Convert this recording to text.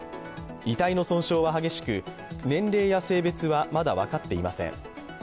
遺体の損傷は激しく、年齢や性別はまだ分かっていません。